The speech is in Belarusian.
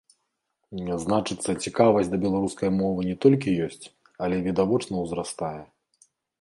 Значыцца, цікавасць да беларускай мовы не толькі ёсць, але відавочна ўзрастае.